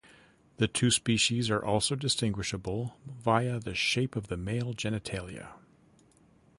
The two species are also distinguishable via the shape of the male genitalia.